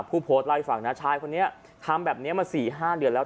ผู้โพสต์ไล่ฝากว่าชายคนนี้ทำแบบนี้มา๔๕เดือนแล้ว